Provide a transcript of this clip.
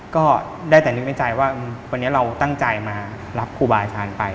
ก็ได้แต่นึกในใจว่าวันนี้เราตั้งใจมารับครูบาอาจารย์ไป